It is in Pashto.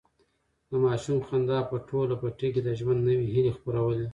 د ماشوم خندا په ټول پټي کې د ژوند نوي هیلې خپرولې.